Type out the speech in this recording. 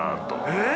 えっ？